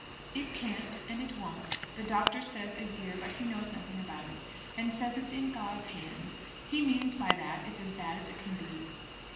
"It can't, and it won't. The doctor says a year; but he knows nothing about it, and says it's in God's hands. He means by that it's as bad as it can be."